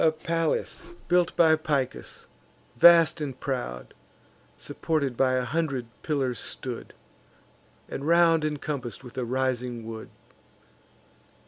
The palace built by Picus, vast and proud, Supported by a hundred pillars stood, And round incompass'd with a rising wood.